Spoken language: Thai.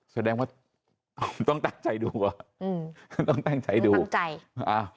แสดงว่าผมต้องตั้งใจดูอ่ะอืมต้องตั้งใจดูถูกใจอ้าว